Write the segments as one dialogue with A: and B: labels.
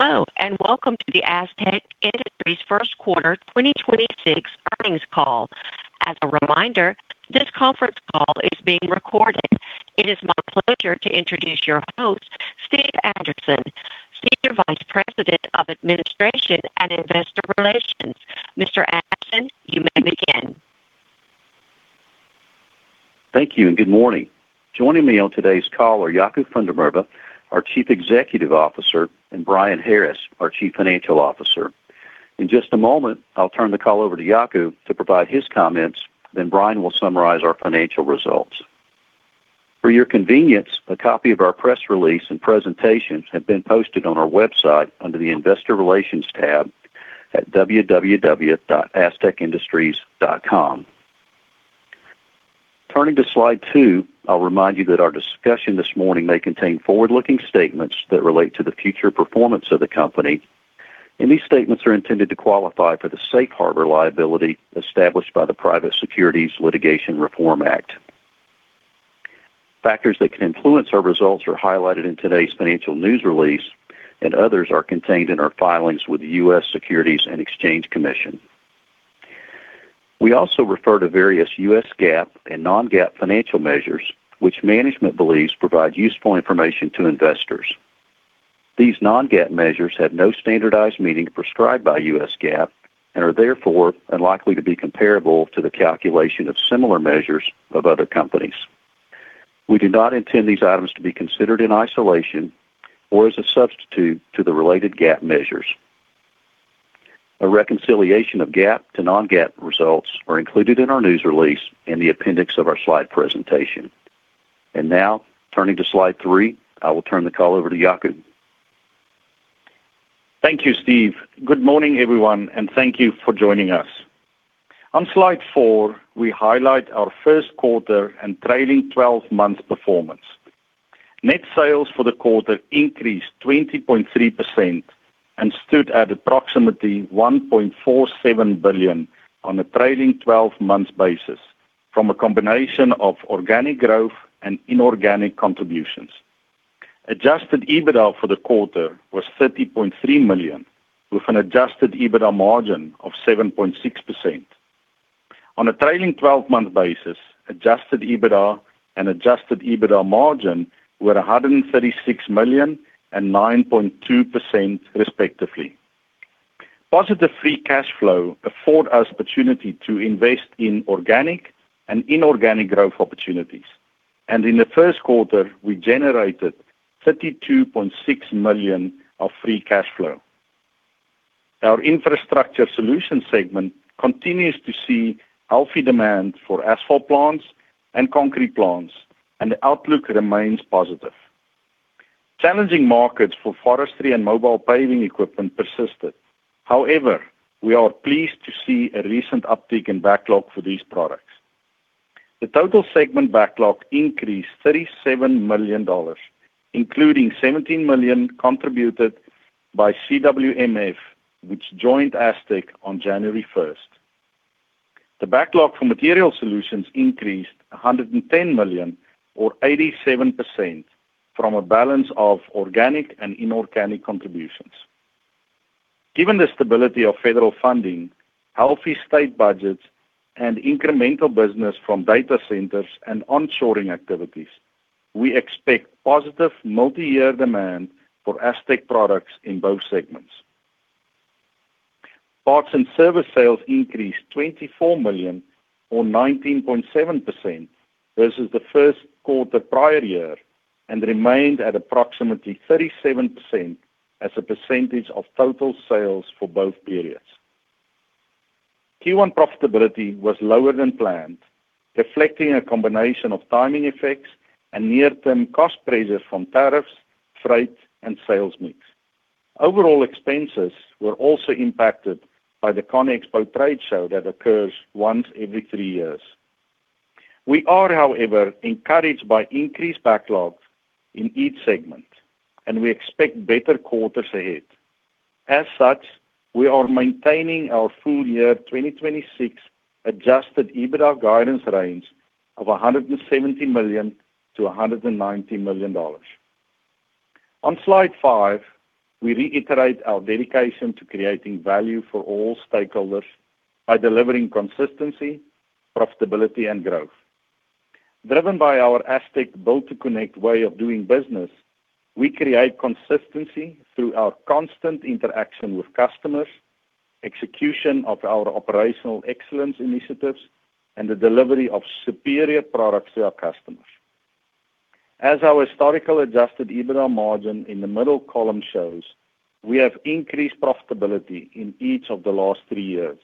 A: Hello, welcome to the Astec Industries first quarter 2026 earnings call. As a reminder, this conference call is being recorded. It is my pleasure to introduce your host, Steve Anderson, Senior Vice President of Administration & Investor Relations. Mr. Anderson, you may begin.
B: Thank you, and good morning. Joining me on today's call are Jaco van der Merwe, our Chief Executive Officer, and Brian Harris, our Chief Financial Officer. In just a moment, I'll turn the call over to Jaco to provide his comments, then Brian will summarize our financial results. For your convenience, a copy of our press release and presentations have been posted on our website under the Investor Relations tab at www.astecindustries.com. Turning to slide two, I'll remind you that our discussion this morning may contain forward-looking statements that relate to the future performance of the company, and these statements are intended to qualify for the safe harbor liability established by the Private Securities Litigation Reform Act. Factors that can influence our results are highlighted in today's financial news release and others are contained in our filings with the U.S. Securities and Exchange Commission. We also refer to various U.S. GAAP and non-GAAP financial measures, which management believes provide useful information to investors. These non-GAAP measures have no standardized meaning prescribed by U.S. GAAP and are therefore unlikely to be comparable to the calculation of similar measures of other companies. We do not intend these items to be considered in isolation or as a substitute to the related GAAP measures. A reconciliation of GAAP to non-GAAP results are included in our news release in the appendix of our slide presentation. Now, turning to slide three, I will turn the call over to Jaco.
C: Thank you, Steve. Good morning, everyone, and thank you for joining us. On slide four, we highlight our first quarter and trailing 12 months performance. Net sales for the quarter increased 20.3% and stood at approximately $1.47 billion on a trailing 12 months basis from a combination of organic growth and inorganic contributions. Adjusted EBITDA for the quarter was $30.3 million, with an Adjusted EBITDA margin of 7.6%. On a trailing 12-month basis, Adjusted EBITDA and Adjusted EBITDA margin were $136 million and 9.2% respectively. Positive free cash flow afford us opportunity to invest in organic and inorganic growth opportunities. In the first quarter, we generated $32.6 million of free cash flow. Our Infrastructure Solutions segment continues to see healthy demand for asphalt plants and concrete plants. The outlook remains positive. Challenging markets for forestry and mobile paving equipment persisted. We are pleased to see a recent uptick in backlog for these products. The total segment backlog increased $37 million, including $17 million contributed by CWMF, which joined Astec on January first. The backlog for Materials Solutions increased $110 million or 87% from a balance of organic and inorganic contributions. Given the stability of federal funding, healthy state budgets, and incremental business from data centers and onshoring activities, we expect positive multiyear demand for Astec products in both segments. Parts and service sales increased $24 million or 19.7% versus the first quarter prior year and remained at approximately 37% as a percentage of total sales for both periods. Q1 profitability was lower than planned, reflecting a combination of timing effects and near-term cost pressures from tariffs, freight, and sales mix. Overall expenses were also impacted by the CONEXPO-CON/AGG trade show that occurs once every three years. We are, however, encouraged by increased backlogs in each segment, and we expect better quarters ahead. As such, we are maintaining our full year 2026 Adjusted EBITDA guidance range of $170 million-$190 million. On slide five, we reiterate our dedication to creating value for all stakeholders by delivering consistency, profitability, and growth. Driven by our Astec Built to Connect way of doing business, we create consistency through our constant interaction with customers, execution of our operational excellence initiatives, and the delivery of superior products to our customers. As our historical Adjusted EBITDA margin in the middle column shows, we have increased profitability in each of the last three years.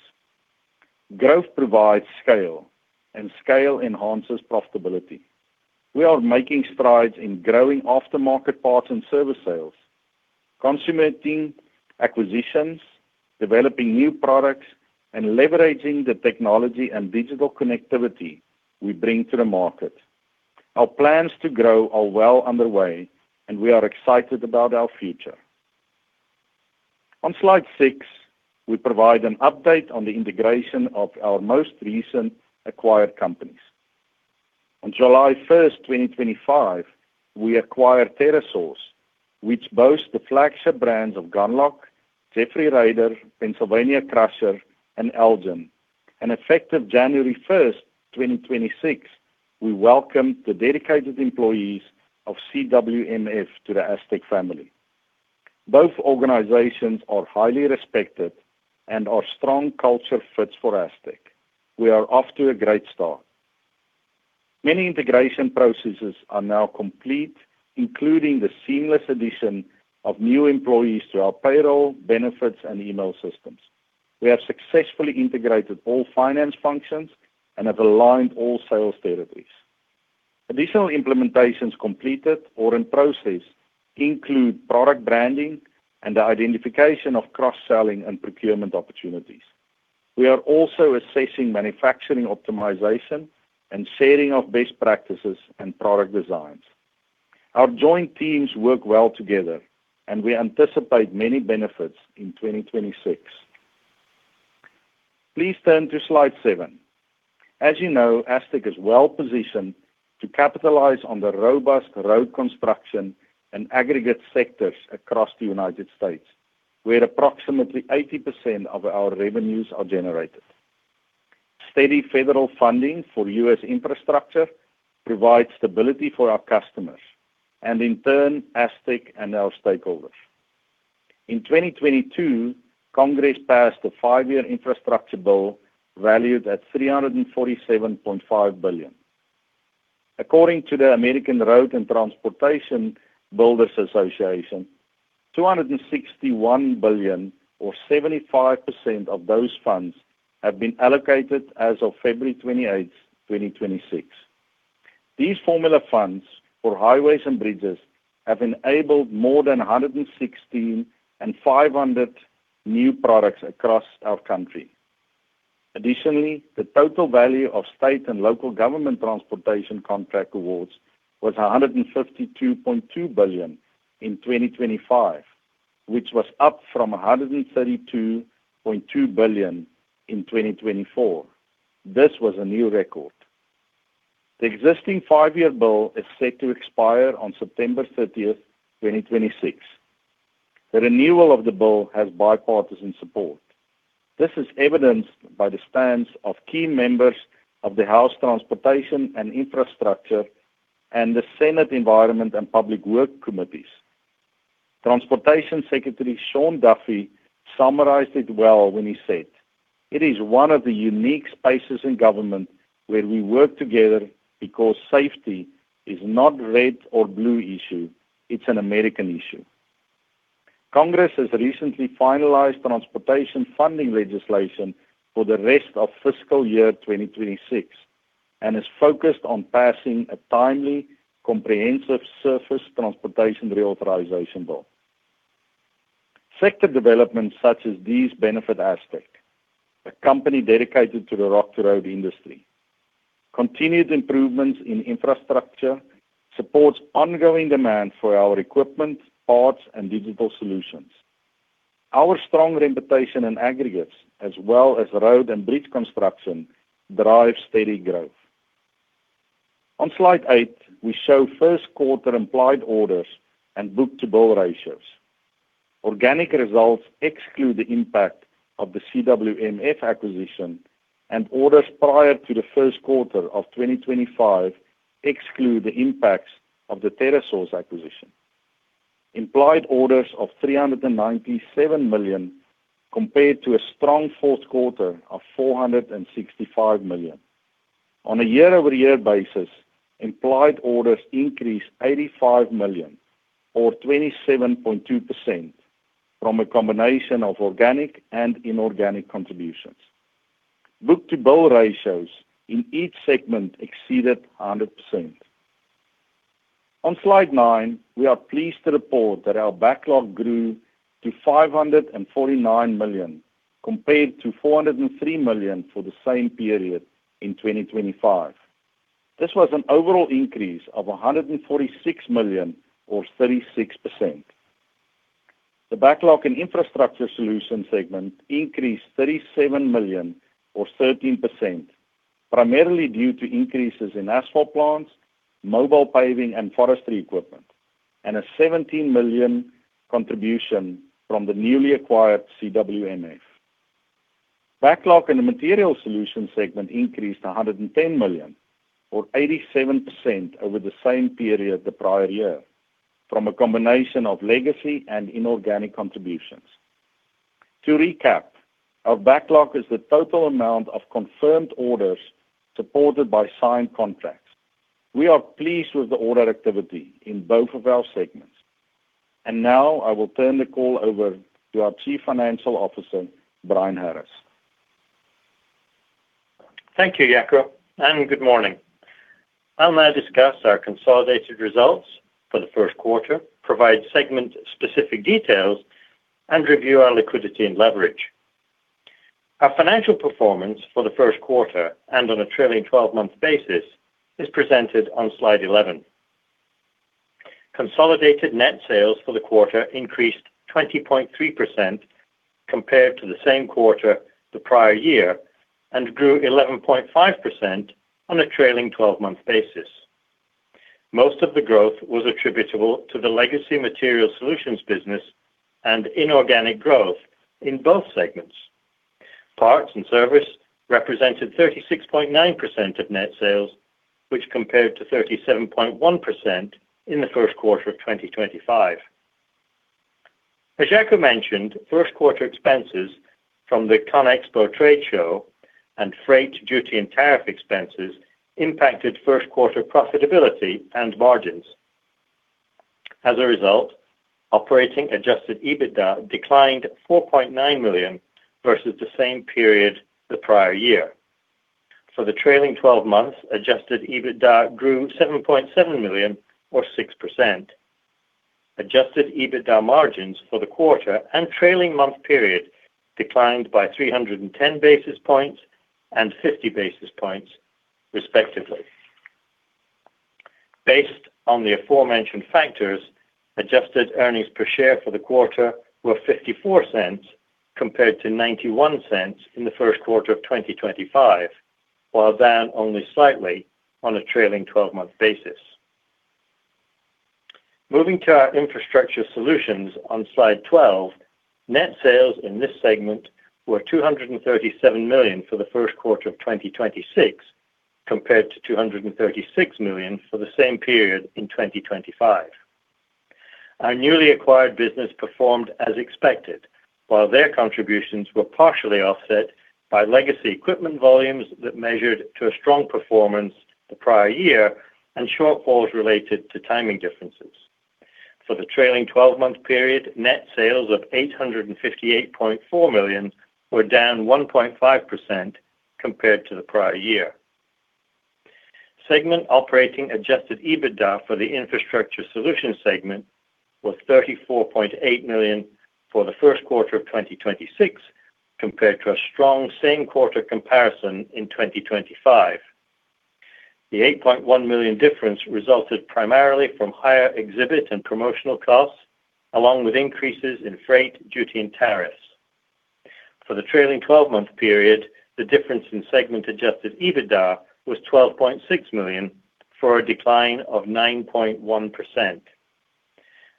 C: Growth provides scale, and scale enhances profitability. We are making strides in growing aftermarket parts and service sales, consummating acquisitions, developing new products, and leveraging the technology and digital connectivity we bring to the market. Our plans to grow are well underway, and we are excited about our future. On slide six, we provide an update on the integration of our most recent acquired companies. On July 1, 2025, we acquired TerraSource, which boasts the flagship brands of Gundlach, Jeffrey Rader, Pennsylvania Crusher, and Elgin Separation Solutions. Effective January 1, 2026, we welcome the dedicated employees of CWMF to the Astec family. Both organizations are highly respected and are strong culture fits for Astec. We are off to a great start. Many integration processes are now complete, including the seamless addition of new employees to our payroll, benefits, and email systems. We have successfully integrated all finance functions and have aligned all sales territories. Additional implementations completed or in process include product branding and the identification of cross-selling and procurement opportunities. We are also assessing manufacturing optimization and sharing of best practices and product designs. Our joint teams work well together, and we anticipate many benefits in 2026. Please turn to slide seven. As you know, Astec is well-positioned to capitalize on the robust road construction and aggregate sectors across the United States, where approximately 80% of our revenues are generated. Steady federal funding for U.S. infrastructure provides stability for our customers and in turn, Astec and our stakeholders. In 2022, Congress passed a five-year infrastructure bill valued at $347.5 billion. According to the American Road & Transportation Builders Association, $261 billion or 75% of those funds have been allocated as of February 28, 2026. These formula funds for highways and bridges have enabled more than 116,500 new products across our country. Additionally, the total value of state and local government transportation contract awards was $152.2 billion in 2025, which was up from $132.2 billion in 2024. This was a new record. The existing five-year bill is set to expire on September 30, 2026. The renewal of the bill has bipartisan support. This is evidenced by the stance of key members of the House Transportation and Infrastructure and the Senate Environment and Public Works committees. Transportation Secretary Sean Duffy summarized it well when he said, "It is one of the unique spaces in government where we work together because safety is not red or blue issue, it's an American issue." Congress has recently finalized transportation funding legislation for the rest of fiscal year 2026 and is focused on passing a timely, comprehensive surface transportation reauthorization bill. Sector developments such as these benefit Astec, a company dedicated to the Rock to Road industry. Continued improvements in infrastructure supports ongoing demand for our equipment, parts, and digital solutions. Our strong reputation in aggregates as well as road and bridge construction drives steady growth. On slide eight, we show first quarter implied orders and book-to-bill ratios. Organic results exclude the impact of the CWMF acquisition, and orders prior to the first quarter of 2025 exclude the impacts of the TerraSource acquisition. Implied orders of $397 million compared to a strong fourth quarter of $465 million. On a year-over-year basis, implied orders increased $85 million or 27.2% from a combination of organic and inorganic contributions. Book-to-bill ratios in each segment exceeded 100%. On slide 9, we are pleased to report that our backlog grew to $549 million, compared to $403 million for the same period in 2025. This was an overall increase of $146 million or 36%. The backlog and Infrastructure Solutions segment increased $37 million or 13%, primarily due to increases in asphalt plants, mobile paving, and forestry equipment, and a $17 million contribution from the newly acquired CWMF. Backlog in the Materials Solutions segment increased to $110 million or 87% over the same period the prior year from a combination of legacy and inorganic contributions. To recap, our backlog is the total amount of confirmed orders supported by signed contracts. We are pleased with the order activity in both of our segments. Now I will turn the call over to our Chief Financial Officer, Brian Harris.
D: Thank you, Jaco, and good morning. I'll now discuss our consolidated results for the first quarter, provide segment specific details, and review our liquidity and leverage. Our financial performance for the first quarter and on a trailing 12-month basis is presented on slide 11. Consolidated net sales for the quarter increased 20.3% compared to the same quarter the prior year and grew 11.5% on a trailing 12-month basis. Most of the growth was attributable to the legacy Materials Solutions business and inorganic growth in both segments. Parts and service represented 36.9% of net sales, which compared to 37.1% in the first quarter of 2025. As Jaco mentioned, first quarter expenses from the Conexpo trade show and freight, duty, and tariff expenses impacted first quarter profitability and margins. Operating Adjusted EBITDA declined $4.9 million versus the same period the prior year. For the trailing 12 months, Adjusted EBITDA grew $7.7 million or 6%. Adjusted EBITDA margins for the quarter and trailing month period declined by 310 basis points and 50 basis points, respectively. Based on the aforementioned factors, adjusted earnings per share for the quarter were $0.54 compared to $0.91 in the first quarter of 2025, while down only slightly on a trailing 12-month basis. Moving to our Infrastructure Solutions on slide 12, net sales in this segment were $237 million for the first quarter of 2026 compared to $236 million for the same period in 2025. Our newly acquired business performed as expected, while their contributions were partially offset by legacy equipment volumes that measured to a strong performance the prior year and shortfalls related to timing differences. For the trailing 12-month period, net sales of $858.4 million were down 1.5% compared to the prior year. Segment operating Adjusted EBITDA for the Infrastructure Solutions segment was $34.8 million for the first quarter of 2026 compared to a strong same-quarter comparison in 2025. The $8.1 million difference resulted primarily from higher exhibit and promotional costs, along with increases in freight, duty, and tariffs. For the trailing 12-month period, the difference in segment Adjusted EBITDA was $12.6 million for a decline of 9.1%.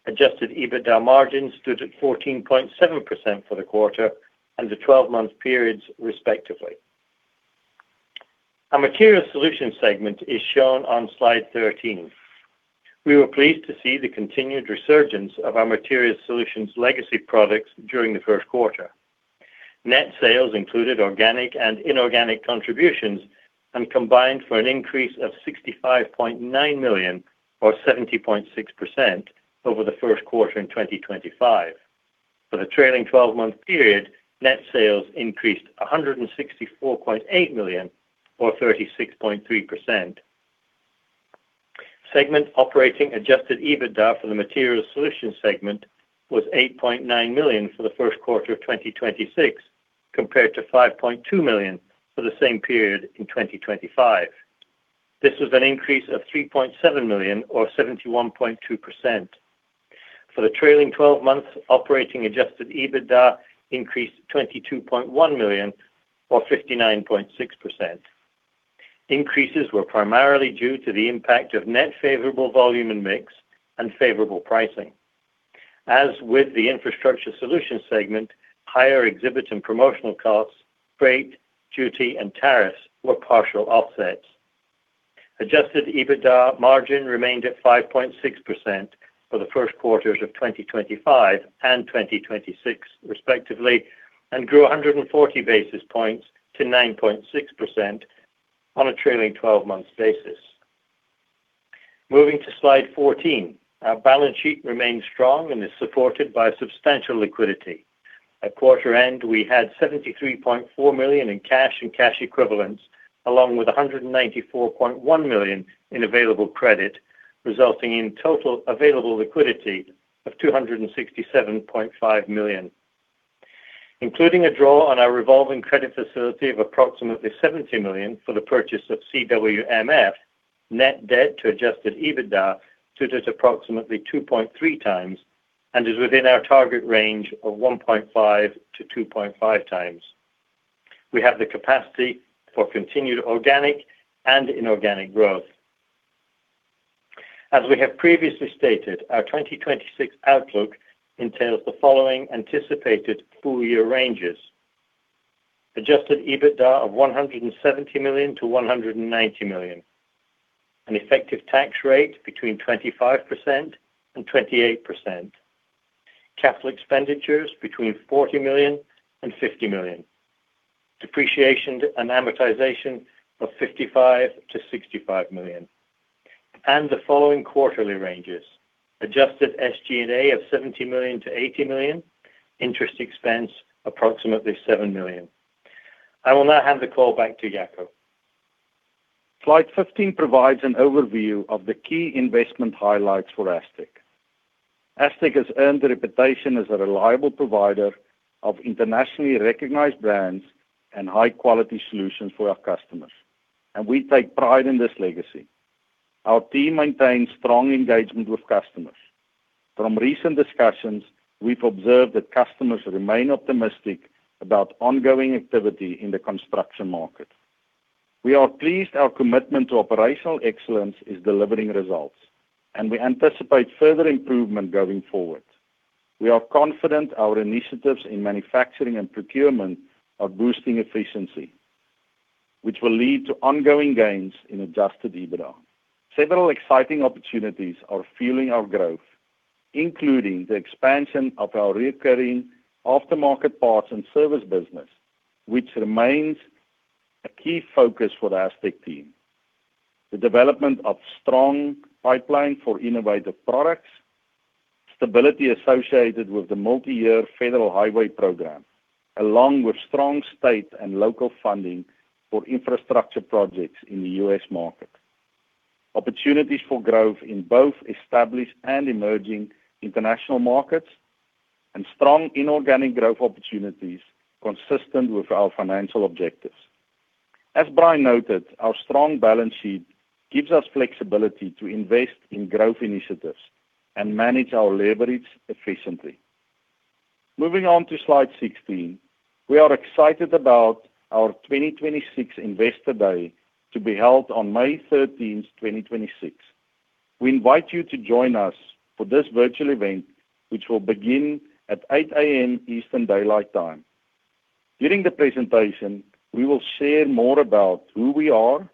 D: Adjusted EBITDA margin stood at 14.7% for the quarter and the 12-month periods, respectively. Our Materials Solutions segment is shown on slide 13. We were pleased to see the continued resurgence of our Materials Solutions legacy products during the first quarter. Net sales included organic and inorganic contributions and combined for an increase of $65.9 million or 70.6% over the first quarter in 2025. For the trailing 12-month period, net sales increased $164.8 million or 36.3%. Segment operating Adjusted EBITDA for the Materials Solutions segment was $8.9 million for the first quarter of 2026 compared to $5.2 million for the same period in 2025. This was an increase of $3.7 million or 71.2%. For the trailing 12 months, operating Adjusted EBITDA increased $22.1 million or 59.6%. Increases were primarily due to the impact of net favorable volume and mix and favorable pricing. As with the Infrastructure Solutions segment, higher exhibit and promotional costs, freight, duty, and tariffs were partial offsets. Adjusted EBITDA margin remained at 5.6% for the first quarters of 2025 and 2026 respectively, and grew 140 basis points to 9.6% on a trailing 12-month basis. Moving to slide 14. Our balance sheet remains strong and is supported by substantial liquidity. At quarter end, we had $73.4 million in cash and cash equivalents, along with $194.1 million in available credit, resulting in total available liquidity of $267.5 million. Including a draw on our revolving credit facility of approximately $70 million for the purchase of CWMF, net debt to Adjusted EBITDA stood at approximately 2.3 times and is within our target range of 1.5-2.5 times. We have the capacity for continued organic and inorganic growth. As we have previously stated, our 2026 outlook entails the following anticipated full-year ranges: Adjusted EBITDA of $170 million-$190 million. An effective tax rate between 25% and 28%. Capital expenditures between $40 million and $50 million. Depreciation and amortization of $55 million-$65 million. The following quarterly ranges: adjusted SG&A of $70 million-$80 million. Interest expense, approximately $7 million. I will now hand the call back to Jaco.
C: Slide 15 provides an overview of the key investment highlights for Astec. Astec has earned a reputation as a reliable provider of internationally recognized brands and high-quality solutions for our customers, and we take pride in this legacy. Our team maintains strong engagement with customers. From recent discussions, we've observed that customers remain optimistic about ongoing activity in the construction market. We are pleased our commitment to operational excellence is delivering results, and we anticipate further improvement going forward. We are confident our initiatives in manufacturing and procurement are boosting efficiency, which will lead to ongoing gains in Adjusted EBITDA. Several exciting opportunities are fueling our growth, including the expansion of our reoccurring aftermarket parts and service business, which remains a key focus for the Astec team, the development of strong pipeline for innovative products, stability associated with the multi-year Federal Highway Program, along with strong state and local funding for infrastructure projects in the U.S. market. Opportunities for growth in both established and emerging international markets, and strong inorganic growth opportunities consistent with our financial objectives. As Brian noted, our strong balance sheet gives us flexibility to invest in growth initiatives and manage our leverage efficiently. Moving on to slide 16. We are excited about our 2026 Investor Day to be held on May 13, 2026. We invite you to join us for this virtual event, which will begin at 8:00 A.M. Eastern Daylight Time. During the presentation, we will share more about who we are,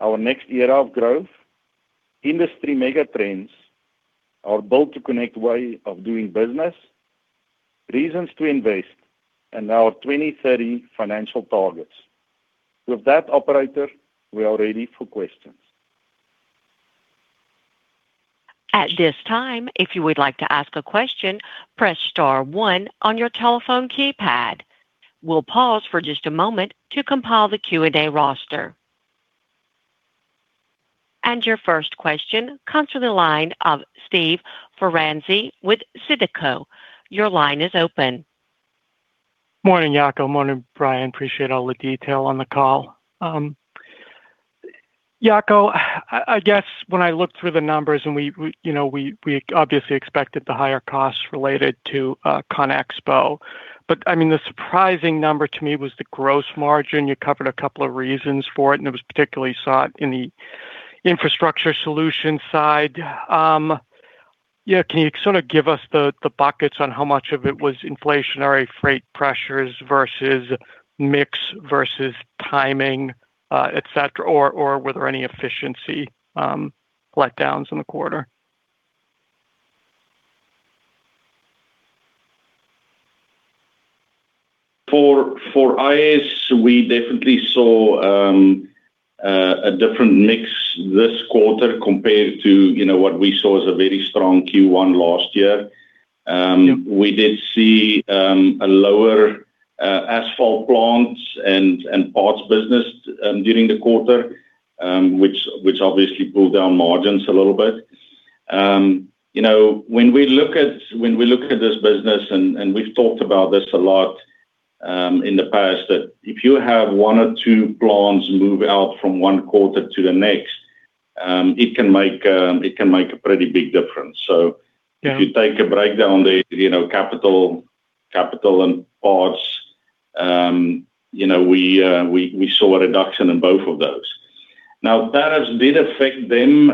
C: our next year of growth, industry mega trends, our Built to Connect way of doing business, reasons to invest, and our 2030 financial targets. With that, operator, we are ready for questions.
A: At this time, if you would like to ask a question, press star one on your telephone keypad. We'll pause for just a moment to compile the Q&A roster. Your first question comes from the line of Steve Ferazani with Sidoti & Co. Your line is open.
E: Morning, Jaco. Morning, Brian. Appreciate all the detail on the call. Jaco, I guess when I looked through the numbers and we, you know, we obviously expected the higher costs related to ConExpo. I mean, the surprising number to me was the gross margin. You covered a couple of reasons for it, and it was particularly soft in the Infrastructure Solutions side. Yeah, can you sort of give us the buckets on how much of it was inflationary freight pressures versus mix versus timing, et cetera, or were there any efficiency letdowns in the quarter?
C: For IS, we definitely saw a different mix this quarter compared to, you know, what we saw as a very strong Q1 last year. We did see a lower asphalt plants and parts business during the quarter, which obviously pulled down margins a little bit. You know, when we look at this business, and we've talked about this a lot in the past that if you have one or two plants move out from one quarter to the next, it can make a pretty big difference.
E: Yeah
C: if you take a breakdown there, you know, capital and parts, you know, we saw a reduction in both of those. Tariffs did affect them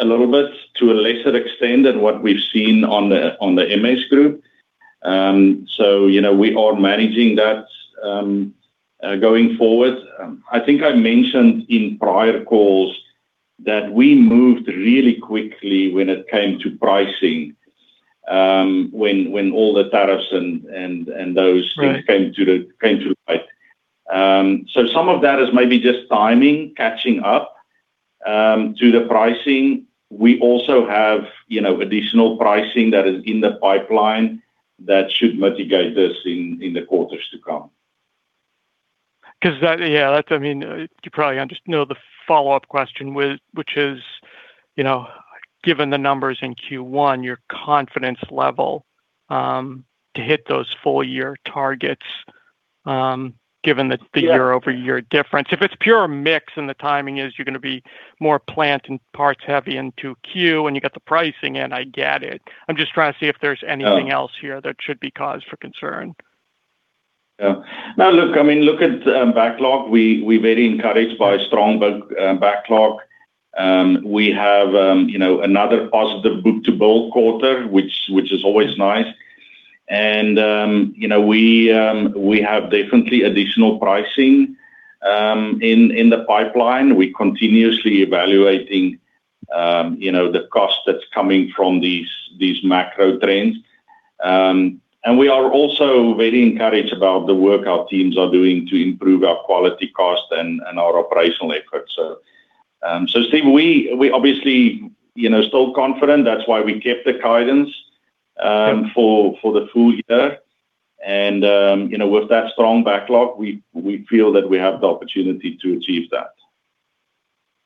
C: a little bit to a lesser extent than what we've seen on the Materials Solutions group. You know, we are managing that going forward. I think I mentioned in prior calls that we moved really quickly when it came to pricing when all the tariffs.
E: Right
C: things came to light. Some of that is maybe just timing, catching up to the pricing. We also have, you know, additional pricing that is in the pipeline that should mitigate this in the quarters to come.
E: That, yeah, that's, I mean, you probably know the follow-up question with which is, you know, given the numbers in Q1, your confidence level to hit those full year targets, given the.
C: Yeah
E: the year-over-year difference. If it's pure mix, and the timing is you're gonna be more plant and parts heavy into Q, and you got the pricing in, I get it. I'm just trying to see if there's anything else here that should be cause for concern.
C: Yeah. No, look, I mean, look at backlog. We are very encouraged by strong backlog. We have, you know, another positive book-to-bill quarter, which is always nice. We have, you know, definitely additional pricing in the pipeline. We are continuously evaluating, you know, the cost that's coming from these macro trends. We are also very encouraged about the work our teams are doing to improve our quality cost and our operational efforts. Steve, we obviously, you know, still confident. That's why we kept the guidance for the year.
E: Yep
C: for the full year. You know, with that strong backlog, we feel that we have the opportunity to achieve that.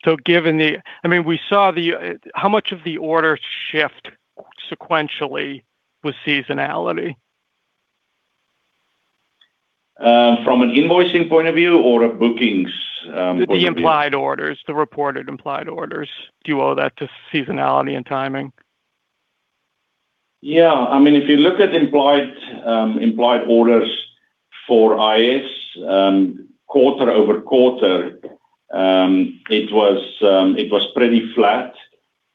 E: I mean, we saw the, how much of the order shift sequentially was seasonality?
C: From an invoicing point of view or a bookings, point of view?
E: The implied orders, the reported implied orders. Do you owe that to seasonality and timing?
C: Yeah. I mean, if you look at implied orders for IS, quarter-over-quarter, it was pretty flat.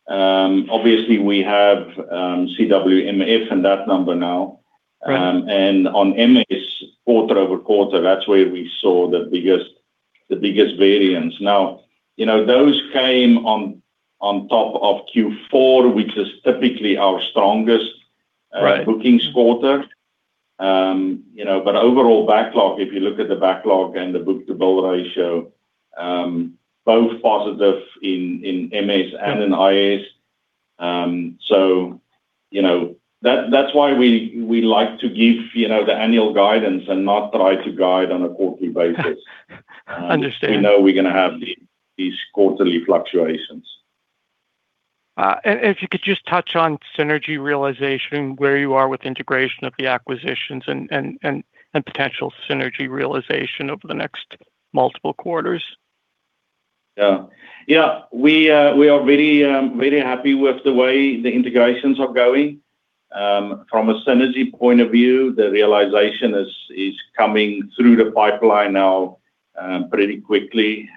C: Obviously we have CWMF in that number now.
E: Right.
C: On MS quarter-over-quarter, that's where we saw the biggest variance. You know, those came on top of Q4, which is typically our strongest.
E: Right
C: booking quarter. Overall backlog, if you look at the backlog and the book-to-bill ratio, both positive in MS and in IS. That's why we like to give the annual guidance and not try to guide on a quarterly basis.
E: Understand.
C: We know we're gonna have these quarterly fluctuations.
E: If you could just touch on synergy realization, where you are with integration of the acquisitions and potential synergy realization over the next multiple quarters.
C: Yeah. Yeah. We are very, very happy with the way the integrations are going. From a synergy point of view, the realization is coming through the pipeline now, pretty quickly.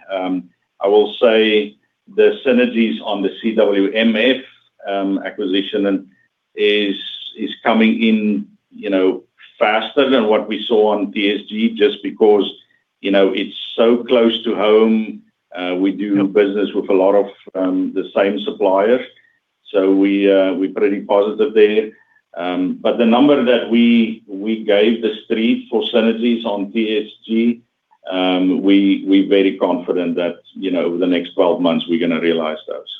C: I will say the synergies on the CWMF acquisition is coming in, you know, faster than what we saw on TSG, just because, you know, it's so close to home. We do business with a lot of the same suppliers. We're pretty positive there. The number that we gave the street for synergies on TSG, we're very confident that, you know, over the next 12 months, we're gonna realize those.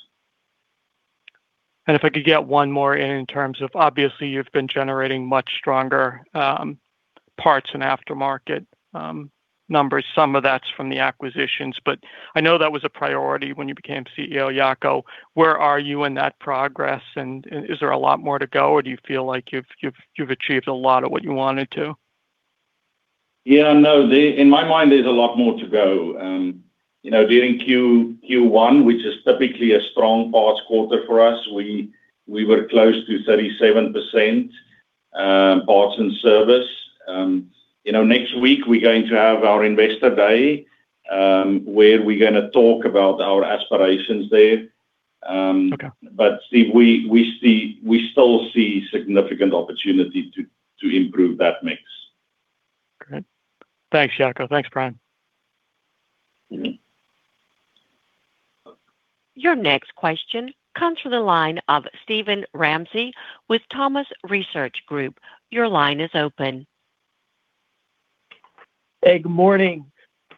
E: If I could get one more in in terms of obviously, you've been generating much stronger parts and aftermarket numbers. Some of that's from the acquisitions, but I know that was a priority when you became CEO, Jaco. Where are you in that progress, and is there a lot more to go, or do you feel like you've achieved a lot of what you wanted to?
C: Yeah, no. In my mind, there's a lot more to go. You know, during Q1, which is typically a strong parts quarter for us, we were close to 37% parts and service. You know, next week, we're going to have our Investor Day, where we're gonna talk about our aspirations there.
E: Okay
C: See, we still see significant opportunity to improve that mix.
E: Great. Thanks, Jaco. Thanks, Brian.
A: Your next question comes from the line of Steven Ramsey with Thompson Research Group. Your line is open.
F: Hey, good morning.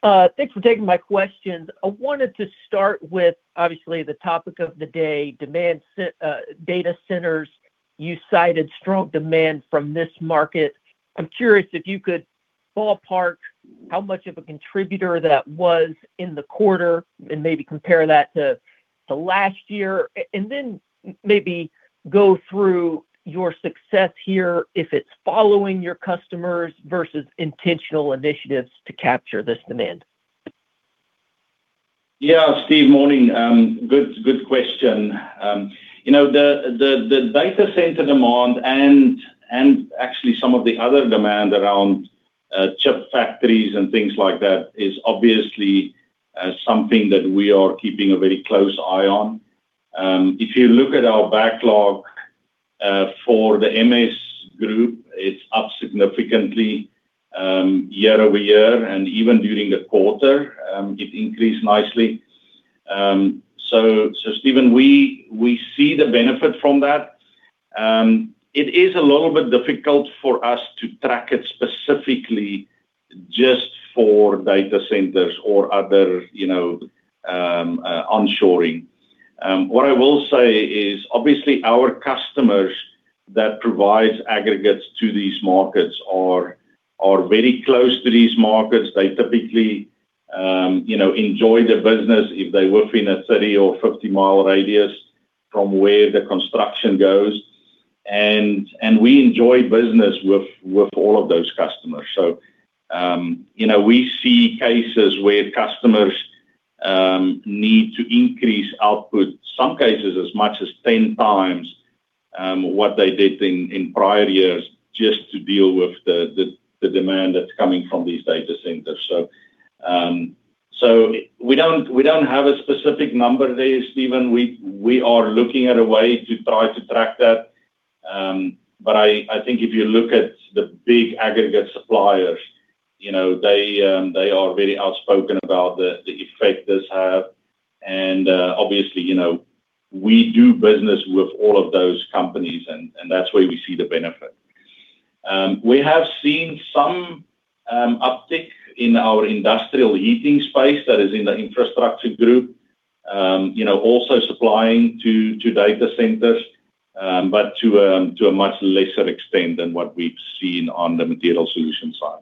F: Thanks for taking my questions. I wanted to start with obviously the topic of the day, demand data centers. You cited strong demand from this market. I'm curious if you could ballpark how much of a contributor that was in the quarter, and maybe compare that to last year. And then maybe go through your success here, if it's following your customers versus intentional initiatives to capture this demand.
C: Yeah, Steve. Morning. Good question. You know, the data center demand and actually some of the other demand around chip factories and things like that is obviously something that we are keeping a very close eye on. If you look at our backlog for the MS group, it's up significantly year-over-year, and even during the quarter, it increased nicely. Steven, we see the benefit from that. It is a little bit difficult for us to track it specifically just for data centers or other, you know, onshoring. What I will say is, obviously our customers that provides aggregates to these markets are very close to these markets. They typically, you know, enjoy the business if they work in a 30 or 50-mile radius from where the construction goes. We enjoy business with all of those customers. You know, we see cases where customers need to increase output, some cases as much as 10 times what they did in prior years just to deal with the demand that's coming from these data centers. We don't, we don't have a specific number there, Steven. We are looking at a way to try to track that. But I think if you look at the big aggregate suppliers, you know, they are very outspoken about the effect this have. Obviously, you know, we do business with all of those companies, and that's where we see the benefit. We have seen some uptick in our industrial heating space, that is in the Infrastructure group, you know, also supplying to data centers, but to a much lesser extent than what we've seen on the Materials Solutions side.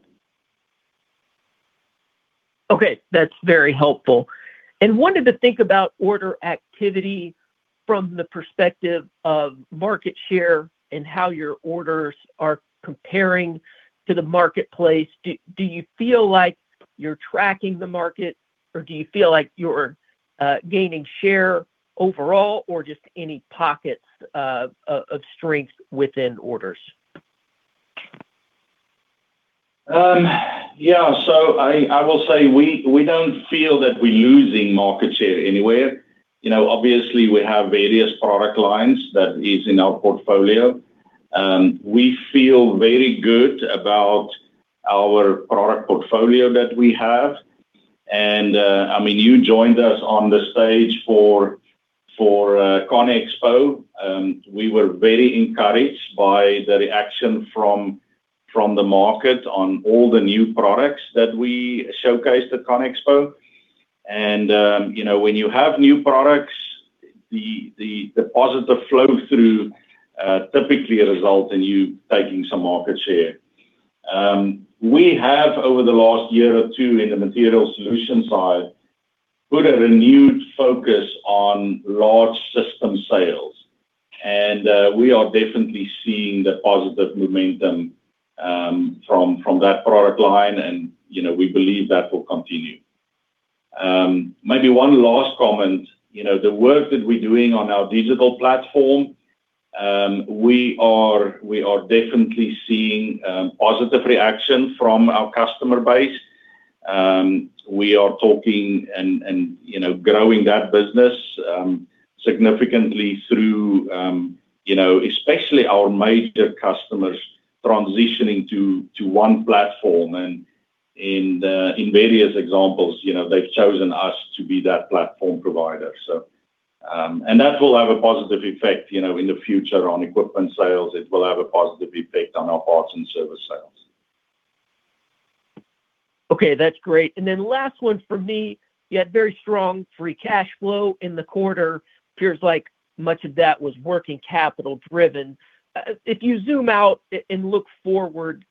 F: Okay, that's very helpful. Wanted to think about order activity from the perspective of market share and how your orders are comparing to the marketplace. Do you feel like you're tracking the market or do you feel like you're gaining share overall or just any pockets of strength within orders?
C: Yeah. I will say we don't feel that we're losing market share anywhere. You know, obviously, we have various product lines that is in our portfolio. We feel very good about our product portfolio that we have. I mean, you joined us on the stage for CONEXPO. We were very encouraged by the reaction from the market on all the new products that we showcased at CONEXPO. You know, when you have new products, the positive flow through typically result in you taking some market share. We have, over the last year or two in the Materials Solutions side, put a renewed focus on large system sales, and we are definitely seeing the positive momentum from that product line and, you know, we believe that will continue. Maybe one last comment. You know, the work that we're doing on our digital platform, we are definitely seeing positive reaction from our customer base. We are talking and, you know, growing that business significantly through, you know, especially our major customers transitioning to one platform. In various examples, you know, they've chosen us to be that platform provider, so. That will have a positive effect, you know, in the future on equipment sales. It will have a positive effect on our parts and service sales.
F: Okay, that's great. Last one from me, you had very strong free cash flow in the quarter. Feels like much of that was working capital driven. If you zoom out and look forward,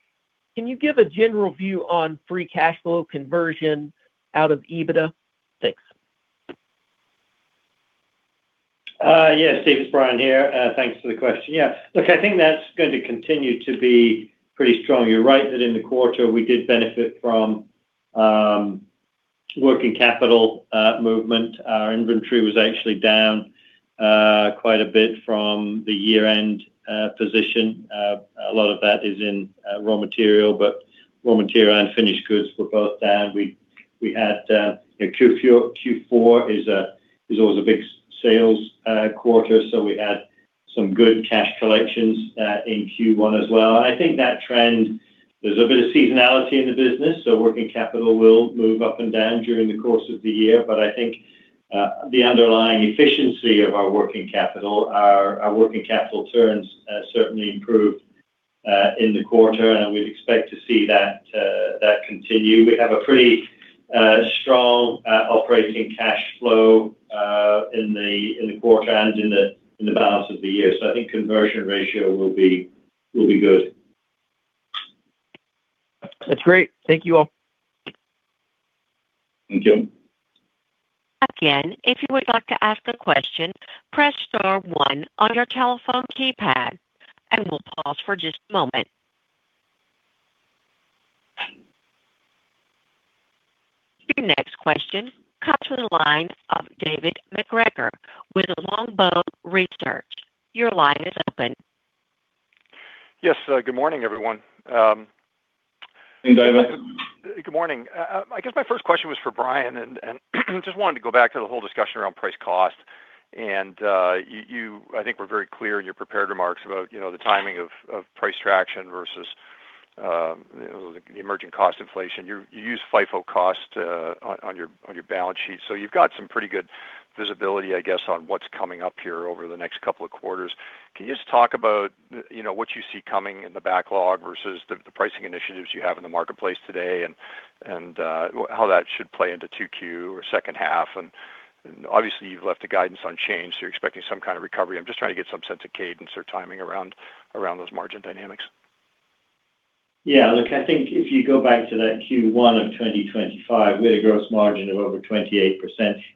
F: can you give a general view on free cash flow conversion out of adjusted EBITDA? Thanks.
D: Yes, Steve, it's Brian here. Thanks for the question. Yeah, look, I think that's going to continue to be pretty strong. You're right, that in the quarter we did benefit from working capital movement. Our inventory was actually down quite a bit from the year-end position. A lot of that is in raw material, but raw material and finished goods were both down. We had, you know, Q4 is always a big sales quarter, so we had some good cash collections in Q1 as well. I think that trend, there's a bit of seasonality in the business, so working capital will move up and down during the course of the year. I think the underlying efficiency of our working capital, our working capital turns certainly improved in the quarter, and we'd expect to see that continue. We have a pretty strong operating cash flow in the quarter and in the balance of the year. I think conversion ratio will be good.
F: That's great. Thank you all.
D: Thank you.
A: Again, if you would like to ask a question, press star one on your telephone keypad, and we'll pause for just a moment. Your next question comes to the line of David MacGregor with Longbow Research. Your line is open.
G: Yes. Good morning, everyone.
D: Hey, David.
G: Good morning. I guess my first question was for Brian and just wanted to go back to the whole discussion around price cost. You I think were very clear in your prepared remarks about, you know, the timing of price traction versus, you know, the emerging cost inflation. You used FIFO cost on your balance sheet. You've got some pretty good visibility, I guess, on what's coming up here over the next couple of quarters. Can you just talk about, you know, what you see coming in the backlog versus the pricing initiatives you have in the marketplace today and how that should play into 2Q or second half? Obviously, you've left the guidance unchanged, you're expecting some kind of recovery. I'm just trying to get some sense of cadence or timing around those margin dynamics.
D: Look, I think if you go back to that Q1 of 2025, we had a gross margin of over 28%.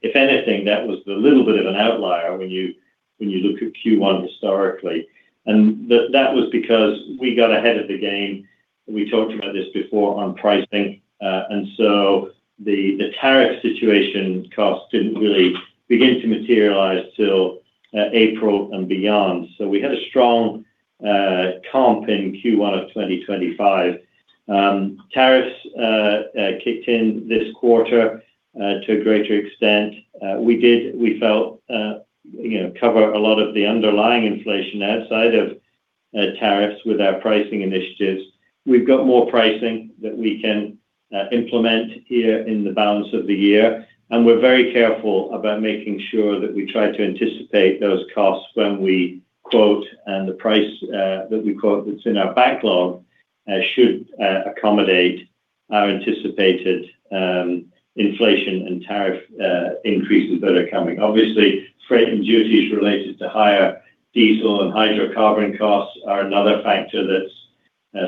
D: If anything, that was the little bit of an outlier when you look at Q1 historically. That was because we got ahead of the game, we talked about this before on pricing. So the tariff situation cost didn't really begin to materialize till April and beyond. We had a strong comp in Q1 of 2025. Tariffs kicked in this quarter to a greater extent. We felt, you know, cover a lot of the underlying inflation outside of tariffs with our pricing initiatives. We've got more pricing that we can implement here in the balance of the year, and we're very careful about making sure that we try to anticipate those costs when we quote. The price that we quote that's in our backlog should accommodate our anticipated inflation and tariff increases that are coming. Obviously, freight and duties related to higher diesel and hydrocarbon costs are another factor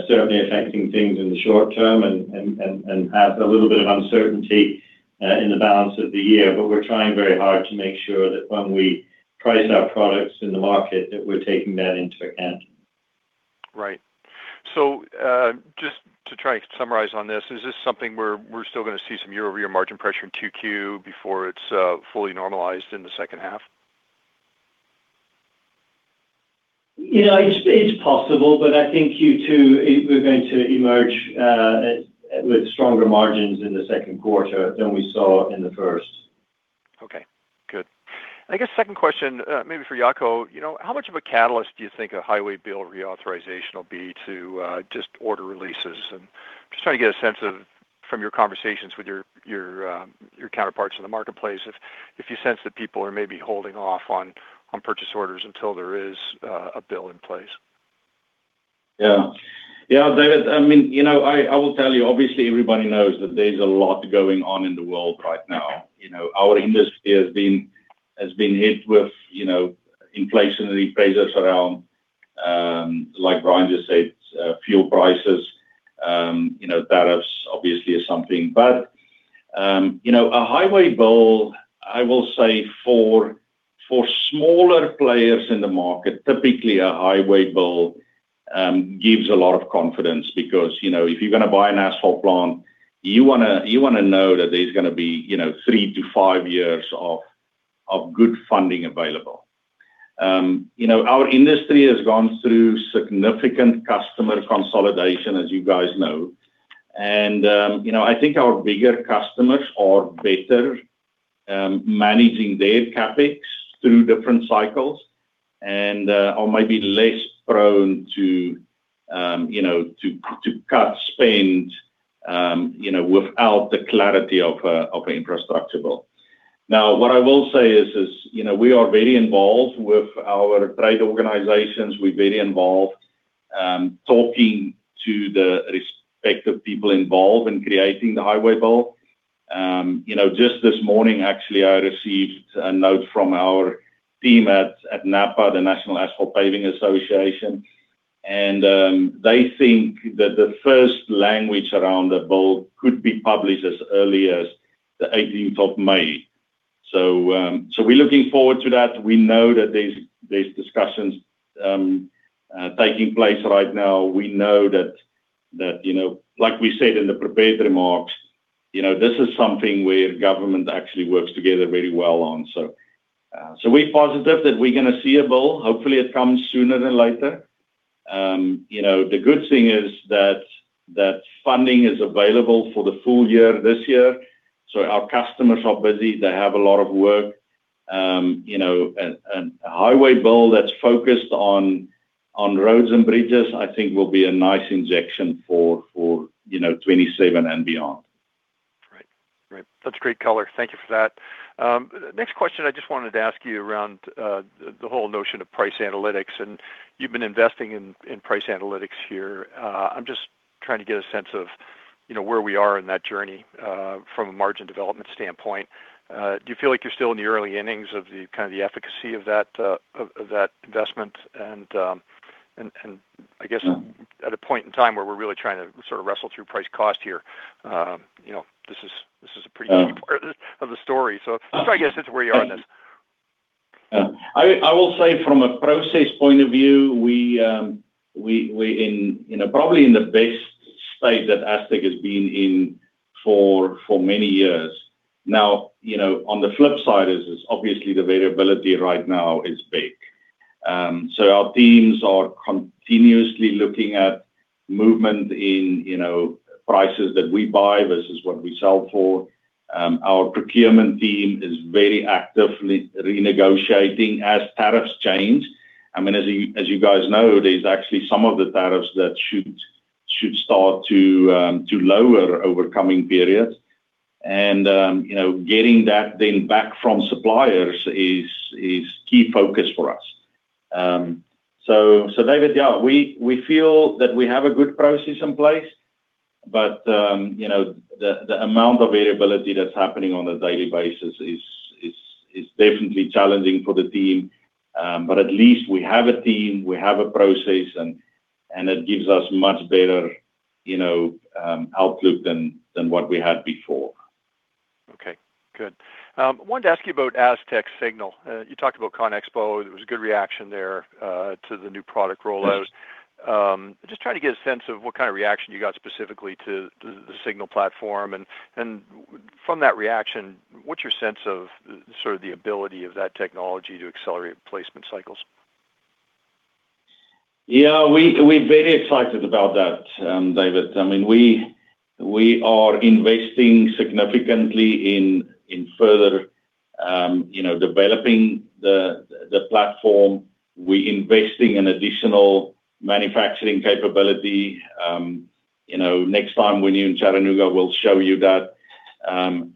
D: certainly affecting things in the short term and has a little bit of uncertainty in the balance of the year. We're trying very hard to make sure that when we price our products in the market, that we're taking that into account.
G: Right. Just to try to summarize on this, is this something where we are still going to see some year-over-year margin pressure in Q2 before it is fully normalized in the second half?
D: You know, it's possible but I think you two we're going to emerge with stronger margins in the second quarter than we saw in the first.
G: Okay, good. I guess second question, maybe for Jaco. You know, how much of a catalyst do you think a highway bill reauthorization will be to just order releases? I'm just trying to get a sense of, from your conversations with your counterparts in the marketplace if you sense that people are maybe holding off on purchase orders until there is a bill in place.
C: Yeah. Yeah, David, I mean, you know, I will tell you, obviously everybody knows that there's a lot going on in the world right now. You know, our industry has been hit with, you know, inflationary pressures around, like Brian just said, fuel prices. You know, tariffs obviously is something. A highway bill, I will say for smaller players in the market, typically a highway bill, gives a lot of confidence because, you know, if you're gonna buy an asphalt plant, you know that there's gonna be, you know, three to five years of good funding available. You know, our industry has gone through significant customer consolidation, as you guys know. You know, I think our bigger customers are better managing their CapEx through different cycles and or maybe less prone to, you know, cut spend, you know, without the clarity of a infrastructure bill. What I will say is, you know, we are very involved with our trade organizations. We're very involved talking to the respective people involved in creating the highway bill. You know, just this morning, actually, I received a note from our team at NAPA, the National Asphalt Pavement Association, they think that the first language around the bill could be published as early as the 18th of May. We're looking forward to that. We know that there's discussions taking place right now. We know that, you know, like we said in the prepared remarks, you know, this is something where government actually works together very well on. We're positive that we're gonna see a bill. Hopefully, it comes sooner than later. You know, the good thing is that funding is available for the full year this year, our customers are busy. They have a lot of work. You know, and a highway bill that's focused on roads and bridges, I think will be a nice injection for, you know, 2027 and beyond.
G: Right. Right. That's great color. Thank you for that. Next question I just wanted to ask you around the whole notion of price analytics and you've been investing in price analytics here. I'm just trying to get a sense of, you know, where we are in that journey, from a margin development standpoint. Do you feel like you're still in the early innings of the kind of the efficacy of that, of that investment? I guess at a point in time where we're really trying to sort of wrestle through price cost here, you know, this is a pretty key part of the story. I guess that's where you are on this.
C: Yeah. I will say from a process point of view, we in, you know, probably in the best state that Astec has been in for many years. Now, you know, on the flip side is obviously the variability right now is big. Our teams are continuously looking at movement in, you know, prices that we buy versus what we sell for. Our procurement team is very actively renegotiating as tariffs change. I mean, as you guys know, there's actually some of the tariffs that should start to lower over coming periods. You know, getting that then back from suppliers is key focus for us. David, yeah, we feel that we have a good process in place, but, you know, the amount of variability that's happening on a daily basis is definitely challenging for the team. At least we have a team, we have a process, and it gives us much better, you know, outlook than what we had before.
G: Okay, good. I wanted to ask you about Astec Signal. You talked about Conexpo. There was a good reaction there to the new product rollout. Just trying to get a sense of what kind of reaction you got specifically to the Signal platform. From that reaction, what's your sense of sort of the ability of that technology to accelerate placement cycles?
C: Yeah. We're very excited about that, David. I mean, we are investing significantly in further, you know, developing the platform. We're investing in additional manufacturing capability. You know, next time when you're in Chattanooga, we'll show you that.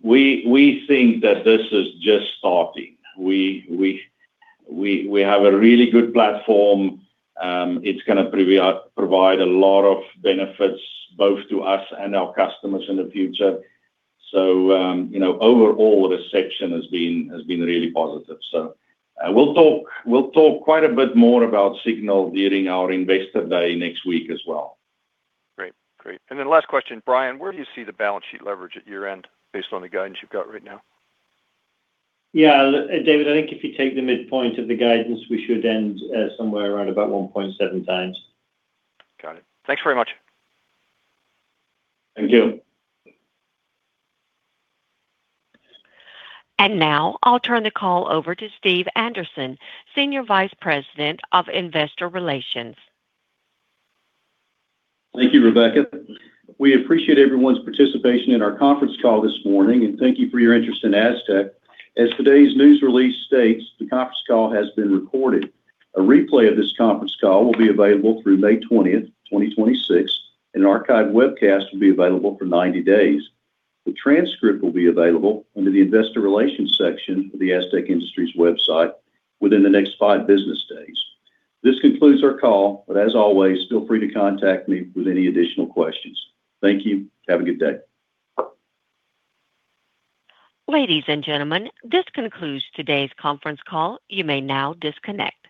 C: We think that this is just starting. We have a really good platform. It's gonna provide a lot of benefits both to us and our customers in the future. You know, overall, the section has been really positive. We'll talk quite a bit more about Signal during our Investor Day next week as well.
G: Great. Great. Then last question, Brian, where do you see the balance sheet leverage at year-end based on the guidance you've got right now?
D: Yeah. Look, David, I think if you take the midpoint of the guidance, we should end somewhere around about 1.7 times.
G: Got it. Thanks very much.
C: Thank you.
A: Now, I'll turn the call over to Steve Anderson, Senior Vice President of Investor Relations.
B: Thank you, Rebecca. We appreciate everyone's participation in our conference call this morning, and thank you for your interest in Astec. As today's news release states, the conference call has been recorded. A replay of this conference call will be available through May 20, 2026, and an archived webcast will be available for 90 days. The transcript will be available under the Investor Relations section of the Astec Industries website within the next 5 business days. This concludes our call, but as always, feel free to contact me with any additional questions. Thank you. Have a good day.
A: Ladies and gentlemen, this concludes today's conference call. You may now disconnect.